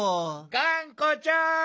がんこちゃん！